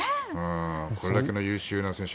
これだけの優秀な選手